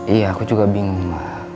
iya aku juga bingung